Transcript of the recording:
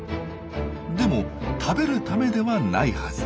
でも食べるためではないはず。